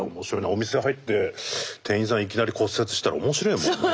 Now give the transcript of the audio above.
お店入って店員さんいきなり骨折してたら面白えもんなあ。